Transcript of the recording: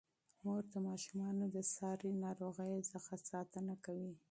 مور د ماشومانو د ساري ناروغیو څخه ساتنه کوي.